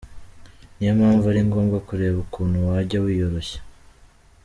Niyo mpamvu ari ngombwa kureba ukuntu wajya wiyoroshya.